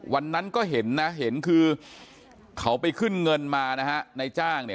วันนั้นก็เห็นนะเห็นคือเขาไปขึ้นเงินมานะฮะในจ้างเนี่ย